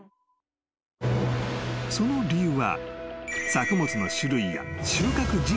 ［その理由は］